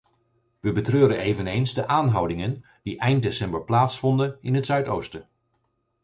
We betreuren eveneens de aanhoudingen die eind december plaatsvonden in het zuidoosten.